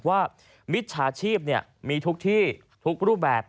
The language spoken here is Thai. มิจฉาชีพมีทุกที่ทุกรูปแบบ